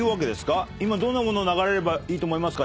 「今どんなものが流れればいいと思いますか？